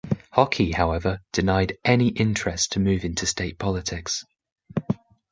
Hockey, however, denied any interest to move into state politics.